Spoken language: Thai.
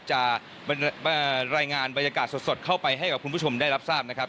จะรายงานบรรยากาศสดเข้าไปให้กับคุณผู้ชมได้รับทราบนะครับ